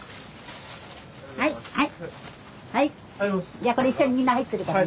じゃこれ一緒にみんな入ってるからね。